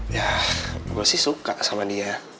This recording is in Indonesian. ya gue sih suka sama dia